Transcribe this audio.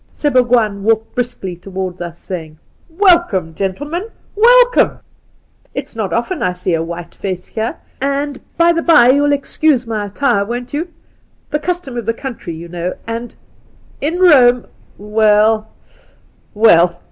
Sebougwaan walked briskly towards us, saying :'" Welcome, gentlemen, welcome. It's not often I see a white face here. And, by the by, you'll excuse my attire, won't you 1 The custom of the country, you know, and ' In Kome ' WeU, well.